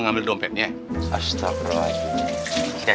gue atau masuk ke muslimsa